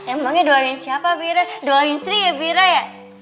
emangnya doain siapa bira doain stri ya bira ya